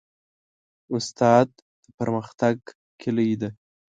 استاد د پرمختګ کلۍ ده.